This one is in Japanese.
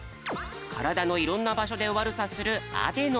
からだのいろんなばしょでわるさするアデノ。